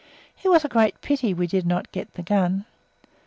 It was a great pity we did not get the gun.